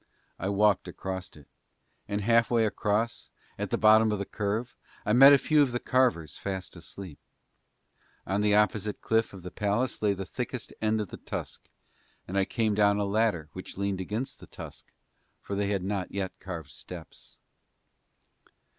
I walked across it; and half way across, at the bottom of the curve, I met a few of the carvers fast asleep. On the opposite cliff by the palace lay the thickest end of the tusk and I came down a ladder which leaned against the tusk for they had not yet carved steps.